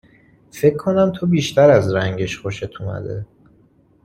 فکر کنم تو بیشتر از رنگش خوشت اومده